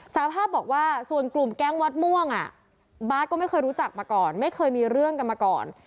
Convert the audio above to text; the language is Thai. สารภาพบอกว่าส่วนกลุ่มแก๊งวัดม่วงบาร์ดก็ไม่เคยรู้จักมาก่อนไม่เคยมีเรื่องกันมาก่อน